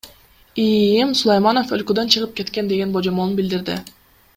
ИИМ Сулайманов өлкөдөн чыгып кеткен деген божомолун билдирди.